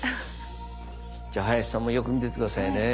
じゃあ林さんもよく見ていて下さいね。